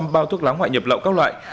bao thuốc lá ngoại nhập lậu các loại